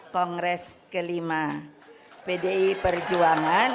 kongres kelima pdi perjuangan